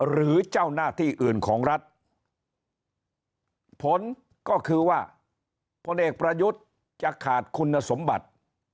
หรือเจ้าหน้าที่อื่นของรัฐผลก็คือว่าพลเอกประยุทธ์จะขาดคุณสมบัติ